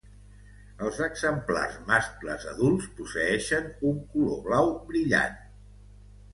Els exemplars mascles adults posseeixen un color blau brillant.